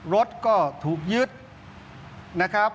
รถก็ถูกยึดนะครับ